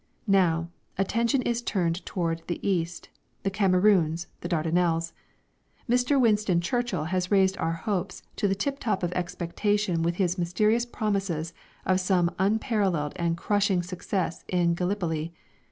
Now, attention is turned towards the East, the Cameroons, the Dardanelles. Mr. Winston Churchill has raised our hopes to the tiptop of expectation with his mysterious promises of some unparalleled and crushing success in Gallipoli.